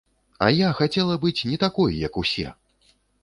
А я хацела быць не такой, як усе!